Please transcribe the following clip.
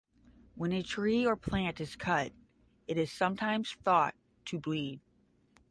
When a tree or plant is cut it is sometimes thought to bleed.